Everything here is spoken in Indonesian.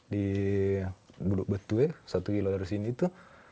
di buduk betue satu kilo dari sini itu